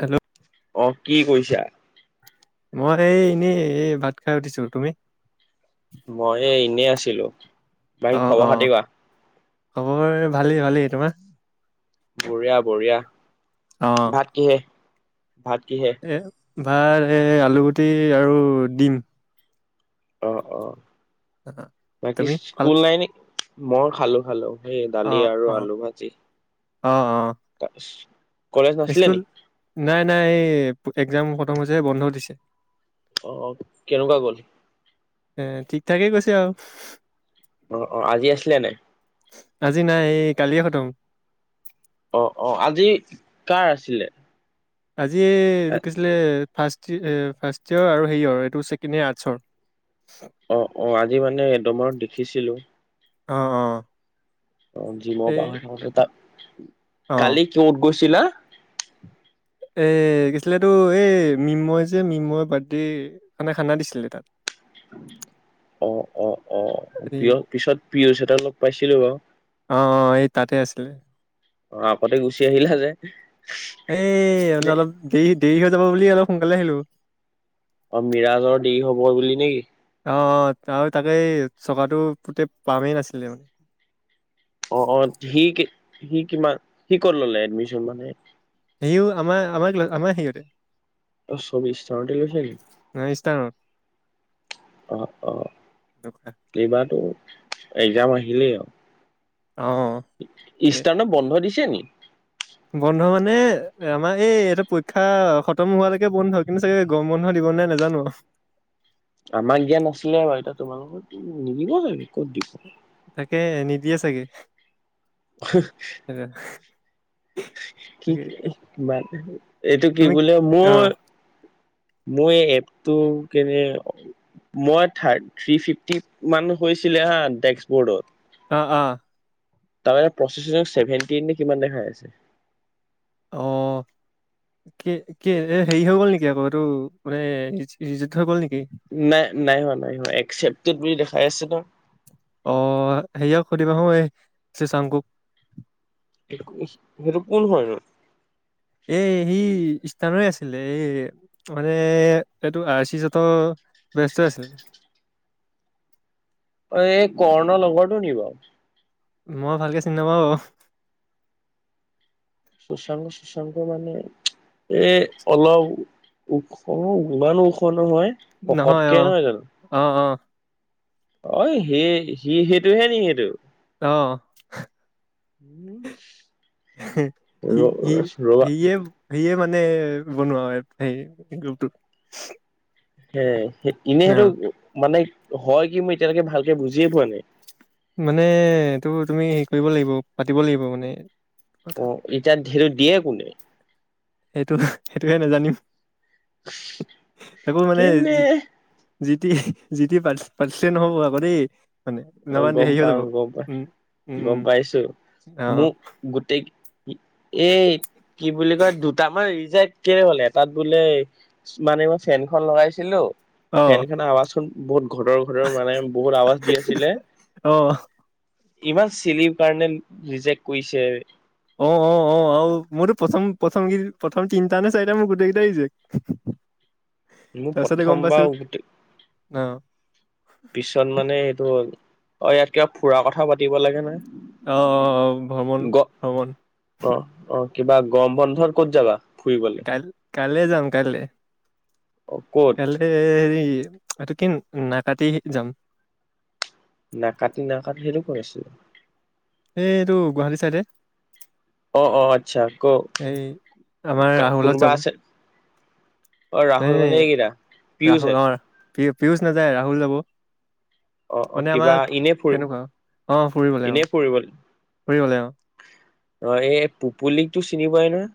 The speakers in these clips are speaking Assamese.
হেল্ল' অ কি কৈইছা? মই এই এনেই এই ভাত খাই উঠিছো তুমি? মই এনেই আছিলো। অ বাহী অ খবৰ -খাতি কোৱা? খবৰ ভালেই ভালেই তোমাৰ? বঢ়িয়া বঢ়িয়া অ ভাত কিহে, ভাত কিহে? এ ভাত এই আলুগুটি আৰু ডিম। অ অ বাকী তুমি খাল স্কুল নাই নি? মই খালো খালো সেই অ দালি আৰু অ আলু ভাজি। অ অ তাছ, স্কুল নাই নাই এই একজাম খতম হৈছে বন্ধ দিছে। আহ কেনেকুৱা গ'ল? এ ঠিক ঠাকে গৈছে আও। অ অ আজি আছিলে নাই? কালি এই খতম। অ অ আজি কাৰ আছিলে? আজি এইটো কি আছিলে ফাৰ্ষ্ট ফাৰ্ষ্ট ইয়েৰ আৰু হেই য়ৰ এইটো ছেকেণ্ড ইয়েৰ আৰ্টচৰ। অ অ আজি মানে এদমৰ দেখিছিলো। অহ অ। অ জিমৰ এই আহি থাকোঁতে থাকোতে। অ কালি কত গৈছিলা? এ কি আছিলে এটো এই মিনময় যে মিনময় বাৰ্থডে। মানে খানা দিছিলে তাত। অ অ। অ এই পিয় পিছত পিয়ুষ হেতক লগ পাইছিলো বাও। অ অ এই আহিলা যে ল নে অলপ দেৰি দেৰি হৈ যাব বুলি অলপ সোনকালে আহিলো। অ মিৰাজৰ দেৰি হব বুলি নেকি? অ অ আৰু তাকে চকাটো পোতে পামেই নাছিলে মানে। অ অ সি সি কিমান সি ক'ত ললে এডমিশন মানে? সিও আমাৰ আমাৰ আমাৰ শেইওতে। ত চবি স্থাৰটি লৈছ নি? ইষ্টাৰ্ণত অ অ এনেকুৱা এইবাৰাতো একজাম আহিলেই আউ। অ তাকে। ইষ্টাৰ নপ বন্ধ দিছে নি? বন্ধ মানে আমাৰ এই ইহতে পৰীক্ষা খতম হোৱালেকে বন্ধ। কিন্তু চাগে গৰম বন্ধ দিব। গল নাই নেজানো। আমাক দিয়া নাছিলে বাৰু এতিয়া তোমাৰ লগত টো নিদিব চাগে ক'ত দিব। তাকে নিদিয়ে চাগে। [unintelligible] কিন তাকে এইটো কি তুমি বুলে অ মোৰ মই এই এপটো কেনে মই থা থ্ৰি ফিফটি মান হৈছিলে হা ডেকচ বৰ্ডত। অ অ। তাৰ প্ৰচছেচ সেভেণ্টিন নে কিমান দেখাই আছে। অ। কি কি এ হেৰি হৈ গ'ল নেকি আকৌ এইটো মানে যুদ্ধ হৈ গ'ল নি? নাই নাই হোৱা নাই হোৱা। একচেপটেদ বুলি দেখাই আছে ন। অ সেৰিক সুধিবা ক সেই চৰ তোক। সেইটো কোন হয় নো? এ সি স্থানৰে আছিলে। এই মানে এইটো আৰ চি জত ব্যস্ত আছিলে। অ এই কৰ্ণ লগৰটো নি বাও। মই ভালকে চিনি নাপাওঁ বাও। সুশাংক সুশাংক মানে? এ অলপ ওখ ইমান ওখ নহয়। হকতকে নহয় জানো? অ অই সেই সি সেইটো হে নি সেইটো? অহ। উম। সি সি সিয়ে য়ে মানে বনোৱা হয়। সেই গুপ টোত। হে ইনে সেইটো মানে হয় কি? মই এতিয়ালৈকে ভালকে বুজিয়ে পোৱা নাই। মানে এইটো তুমি হেৰি কৰিব লাগিব পাতিব লাগিব মানে। কথা অ এতিয়াত ধেটোত দিয়ে কোনে? সেইটো সেইটোহে নেজানিম। কেনে? জিটি জিটি পাতি পাতিলে নহ'ব আকৌ দেই। মানে অ নহবা হেৰি গম হৈ পাও যাব গম পা উম উম গম উম পাইছো অ মোক গোটেই এই কি বুলি কয় দুটামান ৰিল যে কেনে হলে তাত বোলে মানে মই ফেনখন লগাইছিলো অ চেন খানে আৱাজ খন বহুত ঘতৰ ঘতৰ মানে বহুত আৱাজ দি আছে আহ ইমান চিলিৰ কাৰণে ৰিজেক্ট কৰিছে অ অ অ অ মোৰতো প্ৰথম প্ৰথম কি প্ৰথম তিনিটা নে চাৰিটা মোৰ গোটেই কেইটা আহি চে মোৰ তাৰপিছতে গম প্ৰথমবাৰ পাইছো গোটেই ন পিছত মানে এইটো অ ইয়াত কিবা ফুৰা কথা পাতিব লাগে নহ অহ অ ভ্ৰমন ভ্ৰমণ এইবাৰ গৰম বন্ধত ক'ত যাবা ফুৰিবলে কাল কাইলে যাম কাইলে অ ক'ত কাইলে হেৰি এইটো কি নাকাটি যাম নাকাটি নাকাটি সেইটো ক আছিলে এই এইটো গুৱাহাটী চাইডে অ অ আচ্ছা কৌ এই আমাৰ ৰাহুলত কোনোবা যাব আছে অ নাই ৰাহুল নাই মানে এইকেইটা পিয়ুষহেত ৰাহুলৰ পী পীয়ুষ নাযায় ৰাহুল যাব অ অ মানে কিবা আমাক এনে ফুৰি তেনেকুৱা অ ফুৰিবলে এনে ফুৰিব ফুৰিবলে অ অ এই পুপুলিকটো চিনি পাই নহয়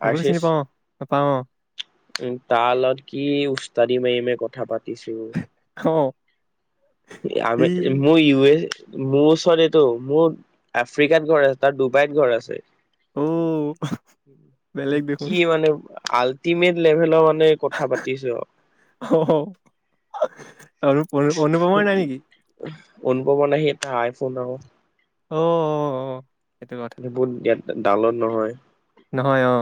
পুপুলি আৰ্চিচ চিনি পাও ন পাওঁ অ উম তাৰ লগত কি উস্তাদি মাৰি মাৰি কথা পাতিছো অ', আম ই মোৰ ইউ এছ মোৰ ওচৰত এইটো মোৰ আফ্ৰিকাত ঘৰ আছে তাৰ ডুবাইত ঘৰ আছে অ', বেলেগ দেখোন কি মানে আলটিমেট লেভেল মান মে কথা পাতিছো আৰু অনুপ অনুপমা নাই নেকি অনুভৱ নাহি এটা আইফোন আৰু অঁ অঁ অঁ এইবোন ইয়াত ডাউনলোড নহয় নহয় অ',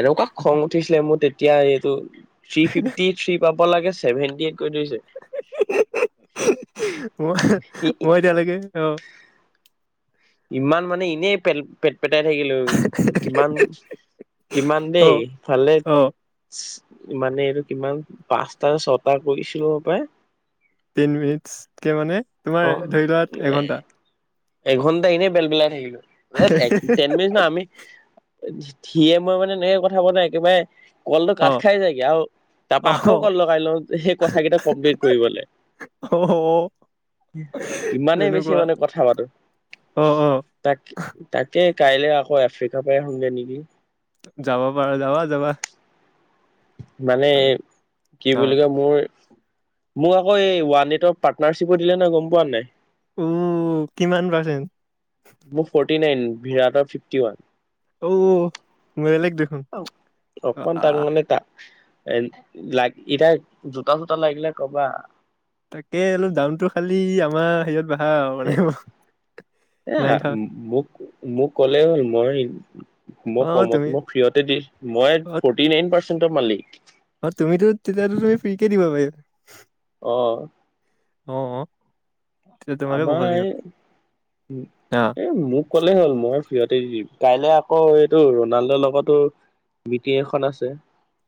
এনেকুৱা খং উঠিছিলে মোৰ তেতিয়া এইটো থ্ৰী ফিফটি থ্ৰী পাব লাগে চছেভেনটি কৰি দিছে। মই মই এতিয়ালৈকে অ', ইমান মানে এনেই পেল পেত পটাই থাকিলো কিমান কিমান দেই অ', ভালে অ', মানে এইটো কিমান পাঁচটা ছটা কৰিছিলো হপায় তিন মিনিটকে মানে অ তোমাৰ ধৰি লোৱা এঘন্টা এঘন্টা এনেই বেল বেলাই থাকিলো টেন মিনিট ন আমি ধিয়ে মই মানে এনেকে কথা পতা নাই একেবাৰে কলটো কাট অ', খাই যায়গে আৰু তাৰ পৰা আকৌ অ', কল লগাই লওঁ সেই কথা কেইটা কমপ্লিট কৰিবলে অ ইমানেই বেছি তেনেকুৱা মানে কথা পাতো অ', অ', তাক তাকে কাইলে আকৌ আফ্ৰিকাৰ পৰা আহুঙগে নেকি যাব পাৰ যাবা যাবা মানে অ', কি বুলি কয় মোৰ মোক আকৌ এই ৱানএট পাৰ্টনাৰশ্বিপো দিলে নহয় গম পোৱা নাই উ কিমান পাৰ্চেন্ত মোৰ ফৰ্টি নাইন বিৰাটৰ ফিফটি ওৱান ও বেলেগ দেখোন অকমান আ তাক মানে তাক এ লাগ এতিয়া জোতা চোতা লাগিলে কবা। তাকে অলপ দামতটো খালি আমাৰ হেৰিয়ত বঢ়া আৰু এ মানে অ। এ মোক মোক কলে হ'ল মই। মই অ' কমত তুমি মই ফ্ৰীয়তে দি মই ফৰ্টি নাইন পাৰ্চেন্টৰ মালিক। আৰু তুমিতো তেতিয়ো তুমি ফ্ৰী কে দিবা পাৰিব। আহ। আহ অ। তেতিয়া তোমাকে ক'ব আমাৰ লাগিব এই অ' এ মোক কলেই হ'ল মই। সিহতে কাইলে আকৌ এইটো ৰনাল্ডৰ লগতো মিটিং এখন আছে।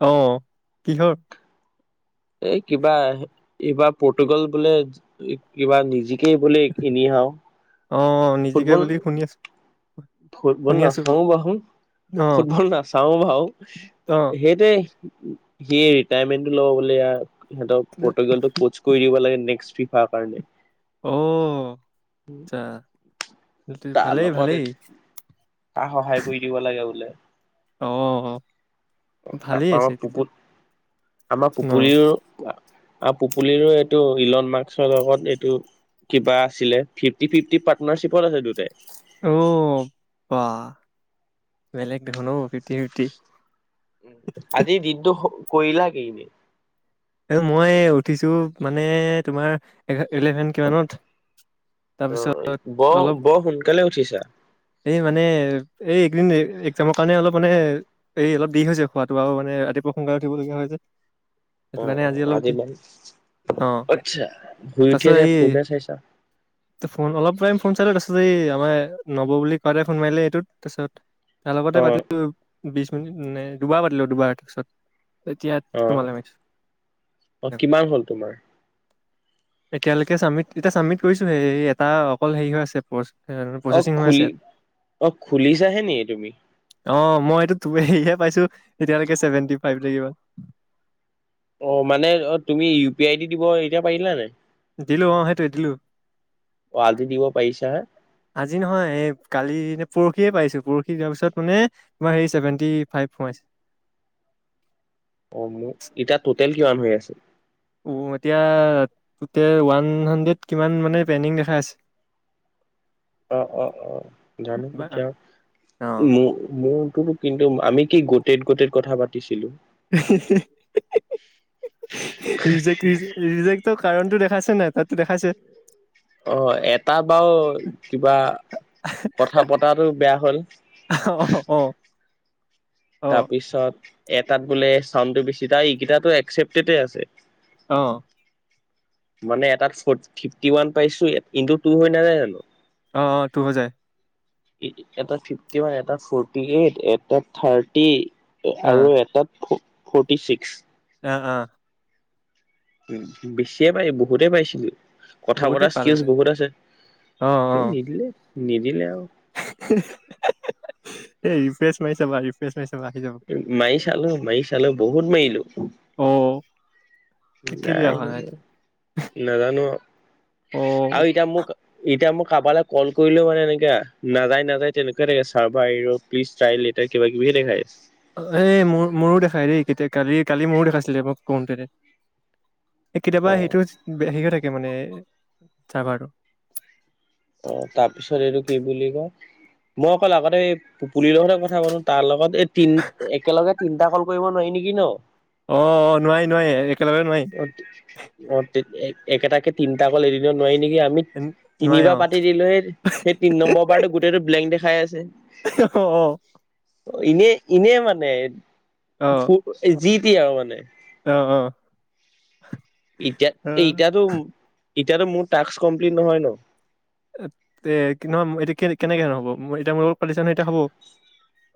আহ কিহৰ। এই কিবা এইবাৰ প্ৰটোগল বোলে কিবা নিজি। কি বোলে এনে হাওঁ। অ নিজিকে বুলি শুনি আছো। ফুটবল শুনি আছো নাচাও বাশু অ' ফুটবল নাচাও বাও অ' সেইটোৱে। হিয়ে ৰেটেমেণ্টো বুলে ইয়াৰ হেট প্ৰটোগ্ল্ডটো পুচ কৰি দিব লাগ নেক্সট্। ফিফাৰ কাৰণে। অ আচ্ছা হেতু ভালেই ভালেই। তাক সহায় কৰি দিব লাগে বোলে। অ। ভালেই তাৰপা আছে তেতিয়া টোপুত আমাৰ ন পুকুৰীও আৰু পুপুলিৰো এইটো ইলন মাৰ্কসৰ লগত এইটো। কিবা আছিলে ফিফটি ফিফটি পাৰ্টনাৰশ্বিপত আছে দুটাই। অ বা বেলেগ দেখুন ঔ ফিভতি ফিভতি। উ আজি দিনটো কইলা কি ইনে। মই উঠিছো মানে তোমাৰ এঘা ইলেভেন কিমানত। তাৰপিছত বৰ অলপ। বৰ সোনকালে উঠিছা এই মানে এই একদিন এক্সজামৰ কাৰণে অলপ মানে। এই অলপ দেৰি হৈ হৈছোয় খোৱাাতটো আৰু মানে ৰাতিপুৱা সোনকালে উঠিবলগীয়া হৈ যে। সেইটো অ কাৰণে অ অলপ আজি দেৰি মমান অ আচ্ছা শুই উঠি আছে ফোনে চাইছা। ত ফোন অলপ টাইম ফোন চালে তাসত। এই আমাৰ নব বুলি কোৱাতে ফোন মাৰিলে এইটোত তাৰপিছত তাৰ লগতে অ পাতিলো বিশ। নাই দুবাৰ পাতিলো দুবাৰ তাৰপিছত এতিয়া অ তোমালৈ মাৰিছো। অ তেনেকুৱা কিমান হ'ল তোমাৰ। এতিয়ালৈকে চাবমিট এতিয়া চাবমিট কৰিছো হেই এটা অকল হেৰি হৈ আছে পষ্ট। আহ খুলি অ খুলিছাহে নেকি তুমি? অ মই এইটোহে সেই পাইছো এতিয়ালৈকে চেভেনটি ফাইভ নে কিবা। অ মানে অ তুমি ইউ পি আই দি দিব এতিয়া পাৰিলা নাই। দিলো অ সেইটোৱে দিলো। অ আজি দিব পাৰিছা হে? আজি নহয় এই কালি। পৰহিয়ে পাইছো পৰহি যাৰ পিছত মানে তোমাৰ হেৰি চছেভেণ্টি ফাইভ সোমাইছে। [inaudible] অ মোৰ ইতিয়া টোটেল কিমান হৈ আছে। উম এতিয়া টোটেল ওৱান হাড্ৰেড কিমান মানে পেণ্ডিং দেখা আছে। [inaudible] অ অ অ জানো বা তিয়া অ ম মোৰ। টো টো কিন্তু আমি কি গোতেত গোতেত কথা পাতিছিলো। ৰিজেকৰ দি ৰিজেকৰ কাৰণটো দেখ। খাইছে। অ এটা বাও কিবা। কথা পতাটো বেয়া হ'ল। অ অ অ তাৰপিছত এটাত বোলে চাউডটো বেছি তাৰ এইকেইটাটো একচেপ্টেড আছে। অহ। মানে এটাত ফ ফিফটি ওৱান পাইছো ইটু টু হৈ নাযায় জানো। অ অ তোৰ হৈ যায়। এটা ফিফটি ওান এটা ফৰ্টি এইট এটা থাৰ্টি। অ আৰু এটাত ফৰ্টি ছিক্স। অ অ। উ বেছিয়ে পাই বহুতে পাইছিলি। কথা বতৰা বহুতেই স্কিজ পালাহেঁতেন বহুত আছে অ অ নিদিলে, নিদিলে আও। এই ৰিফ্ৰেছ মাৰি ছাবা ৰিফ্ৰেছ মা- অ [inaudible] কেলে নাই অহা নোনো নাজানো অ আও এতিয়া মোক এতিয়া মোক কাৰাবালৈ কল কৰিলেও মানে এনেকে নাযায় নাযায় তেনেকুৱা থাকে চাৰ্ভাৰ ইৰোৰ প্লিজ ট্ৰাই লেটাৰ কিবা কিবি। কি দেখাইছ। এ মোৰ মোৰো দেখাই ৰে কেতিয়া কালি কালি মোৰো দেখাইছিলে মই কৰোতে। এ অ কেতিয়াবা সেইটো হেৰি হৈ থাকে মানে চাৰ্ভাৰটো। অ তাৰপিছত এইটো কি বুলি কয়? মই অকল আগতে এই পুলিৰ লগতে কথা পাতো তাৰ লগত এই তিন একেলগে তিনটা কল কৰিব নোৱাই। কি ন? অ অ নোৱাই নোৱাই একেলগে নোৱাই। অ একেটাকে তিনিটা কল এদিনত নোৱাৰি নেকি আমি নোৱাৰি অ তিনিবা- পাতি দিলো সেই সেই তিন নম্বৰ বাৰটো গোটেইটো ব্লেংক দেখাই আছে। অ এনে এনে মানে, অ যি টি আৰু মানে। অ অ। এতিয়া এতিয়াতো এতিয়াতো মোৰ টাস্ক কমপ্লিট নহয় ন। এ এ নহয় এতিয়া কে কেনেকে নহ'ব এতিয়া মোৰ লগ পাতিছা নহয় এতিয়া হ'ব।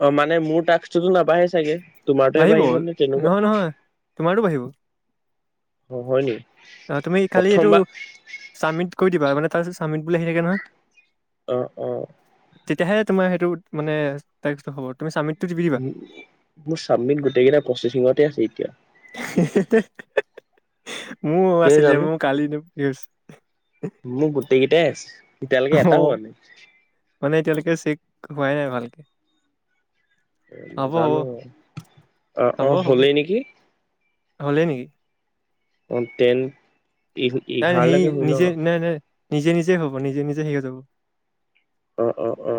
অ মানে মোৰ টাস্কটোতো নাবাঢ়ে চাগে? তোমাৰটোহে বাঢ়িব নে তেনেকুৱা নহয় নহয় তোমাৰো বাঢ়িব। অ হয় নেকি অ তুমি খালি এইটো প্ৰথমবাৰ চাবমিট কৰি দিবা মানে তাৰপিছত চামিত বুলি আহি থাকে নহয়। অহ অহ। তেতিয়াহে তোমাৰ সেইটো মানে টাস্কটো হ'ব তুমি স্বামি- উ মোৰ চাবমিট গোটেই কেইটা প্ৰচেচিঙতে আছে এতিয়া। [unintelligible] মোৰ কেলে আছিলে জানো মোৰ কালি নে এতিয়ালেকে অ এটা হোৱা নাই। মানে এতিয়ালৈকে চেক হোৱাই নাই ভালকে। হ'ব হ'ব নাজানো অ অ হলেই নেকি? হ'লে নেকি? অন্তেন নাই নাই সেই নিজে নাই নাই নিজে নিজে হ'ব নিজে নিজে সেই হৈ যাব। অ অ অ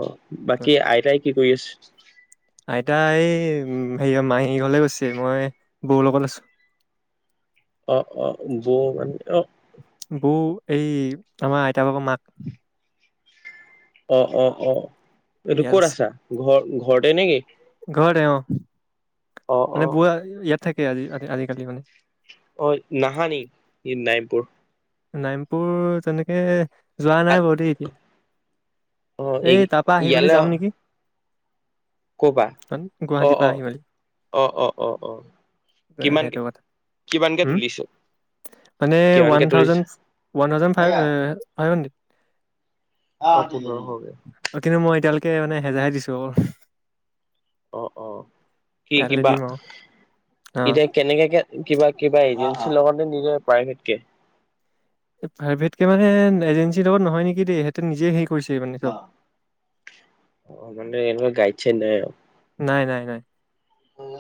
বাকী আইতাই কি কৰি আছ- উ হেয়া মাহী ঘলে গৈছে মই বৌ লগত আছো। অ অ বৌ মানে অ বৌ এই আমাৰ আইত ভাগৰ মাক। অ অ অ এইটো ইয়াত ক'ত আছে আছা ঘৰ ঘৰতে নেকি? ঘৰতে অ অ অ মানে বোৱা ইয়াত থাকে আজি আজিকালি মানে। অ নাহানি ই নাইমপুৰ। নাইমপুৰ তেনেকে যোৱা নাই বাৰু দেই এত- অ এই ইয়াল যাম নেকি কবা মানে অ গুৱাহাটীৰ পৰা অ আহি মেলি অ অ অ অ কিমান সেইটো কথা কিমানকে উম তুলিছে মানে ওৱান কিমানকে তুলিছে thousand one thousand five five hundred. Okay মানে হেজাৰ দিছো অকল অ অ কি কাইলৈ কিবা। দিম আৰু অ এতিয়া কেনেকেকে কিবা কিবা এজেঞ্চিৰ লগতে নিজে প্ৰাইভেট কে। প্ৰাইভেট কে মানে এজেঞ্চিৰ লগত নহয় নেকি দেই সিহঁতে নিজে সেই অ মানে এনে গাইড চাইড নাই আৰু হু অ